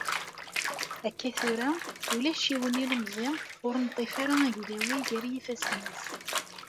Akka tura, ulac yiwen n yilemẓi ur neṭṭif ara aglaway gar yifassen-is.